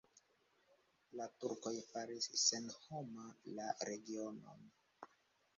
La turkoj faris senhoma la regionon.